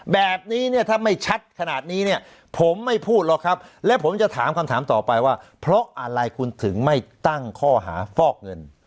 แบบนี้เนี่ยถ้าไม่ชัดขนาดนี้เนี่ยผมไม่พูดหรอกครับและผมจะถามคำถามต่อไปว่าเพราะอะไรคุณถึงไม่ตั้งข้อหาฟอกเงิน